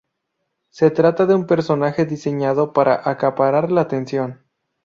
Se trata de un personaje diseñado para acaparar la atención.